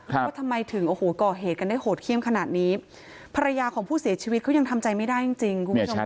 ว่าทำไมถึงก่อเหตุกันได้โหดเข้มขนาดนี้ภรรยาของผู้เสียชีวิตเขายังทำใจไม่ได้จริง